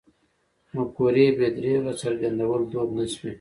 مفکورې بې درېغه څرګندول دود نه شوی.